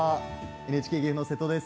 ＮＨＫ岐阜の瀬戸です。